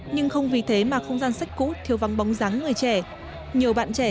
nhưng không vì thế mà không gian sách cũ thiếu vắng bóng rắn người trẻ nhiều bạn trẻ